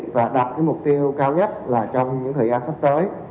và đặt cái mục tiêu cao nhất là trong những thời gian sắp tới